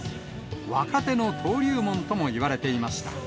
若手の登竜門ともいわれていました。